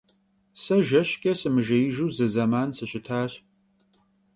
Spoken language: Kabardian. Se jjeşç'e sımıjjêijju zı zeman sışıtaş.